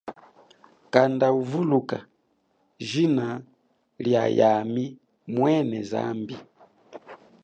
Kanda uvuluka jina lia yami mwene zambi.